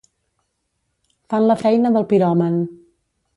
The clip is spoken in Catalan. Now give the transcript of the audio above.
Fan la feina del piròman.